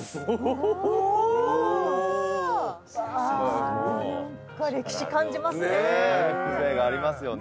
何か歴史感じますね。